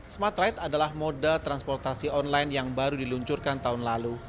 smartride adalah model transportasi online yang baru diluncurkan tahun lalu